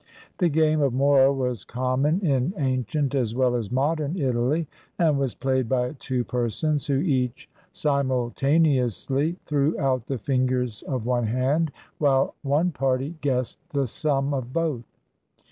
The game of mora was common in ancient as well as modem Italy, and was played by two persons, who each simultaneously threw out the fingers of one hand, while one party guessed the sum of both.